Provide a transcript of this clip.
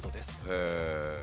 へえ！